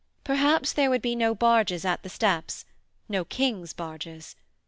Perhaps there would be no barges at the steps no King's barges.